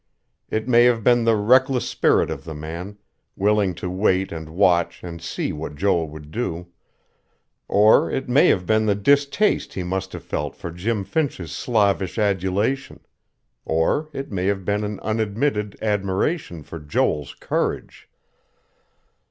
It may have been the reckless spirit of the man, willing to wait and watch and see what Joel would do; or it may have been the distaste he must have felt for Jim Finch's slavish adulation; or it may have been an unadmitted admiration for Joel's courage....